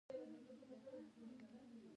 احمد خپلې لور ته سور کور ورکړ.